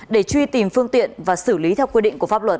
để truy tìm phương tiện và xử lý theo quy định của pháp luật